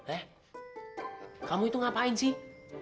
eh kamu itu ngapain sih